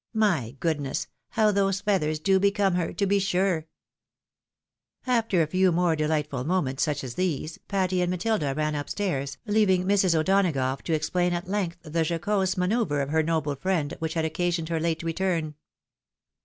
My goodness ! how those feathers do become her, to be sure !" After a few more delightful moments such as these, Patty and Matilda ran up stairs, leaving Mrs. O'Donagough to ex plain at length the jocose manoeuvre of her noble friend, which h:id occasioned her late return.